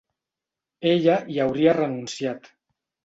Ella hi hauria renunciat.